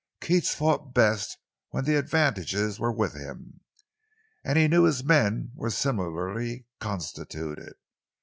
Keats fought best when the advantages were with him, and he knew his men were similarly constituted.